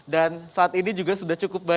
dan saat ini juga sudah cukup ramai